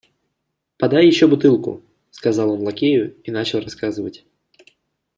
Подай еще бутылку, — сказал он лакею и начал рассказывать.